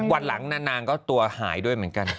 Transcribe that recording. วันหลังนางก็ตัวหายด้วยเหมือนกัน